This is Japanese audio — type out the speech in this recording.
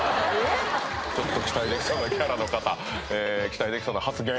ちょっと期待できそうなキャラの方期待できそうな発言